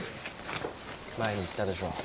前に言ったでしょ？